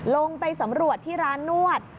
ลงไปสำรวจที่ร้านนวด